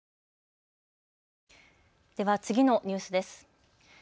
では次のニュースです。